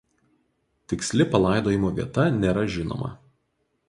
Tiksli palaidojimo vieta nėra žinoma.